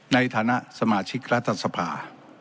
ในฐานะสมาชิกรัฐสภา